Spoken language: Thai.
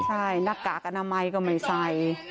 ใช่หน้ากากอนามัยก็ไม่ใส่